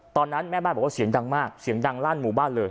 ตอนนั้นแม่บ้านบอกว่าเสียงดังมากเสียงดังลั่นหมู่บ้านเลย